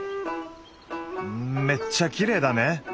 めっちゃきれいだね！